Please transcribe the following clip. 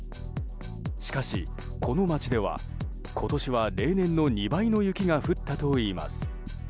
しかし、この町では今年は例年の２倍の雪が降ったといいます。